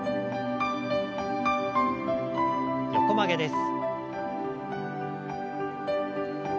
横曲げです。